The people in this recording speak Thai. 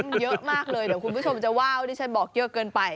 มันเยอะมากเลยเดี๋ยวคุณผู้ชมจะว่าวที่ฉันบอกเยอะเกินไป